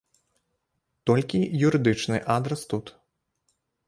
Толькі юрыдычны адрас тут.